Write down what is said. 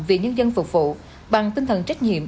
vì nhân dân phục vụ bằng tinh thần trách nhiệm